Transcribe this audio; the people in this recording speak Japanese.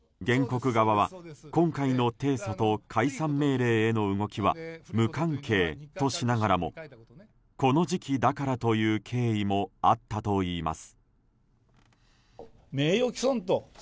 原告側は、今回の提訴と解散命令への動きは無関係としながらもこの時期だからという経緯もあったといいます。